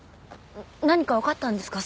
何か分かったんですか？